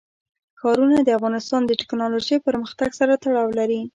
ښارونه د افغانستان د تکنالوژۍ پرمختګ سره تړاو لري.